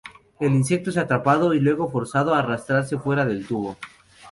El insecto es atrapado y luego forzado a arrastrarse fuera del tubo.